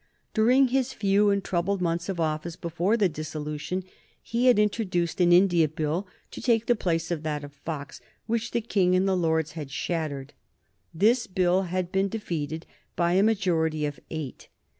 During his few and troubled months of office before the dissolution, he had introduced an India Bill to take the place of that of Fox, which the King and the Lords had shattered. This Bill had been defeated by a majority of eight.